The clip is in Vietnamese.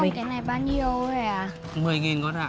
không không cái này bao nhiêu hộp này ạ